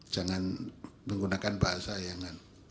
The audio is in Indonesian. jangan menggunakan bahasa yangan